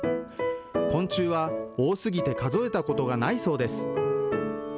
昆虫は多すぎて数えたことがないそうです。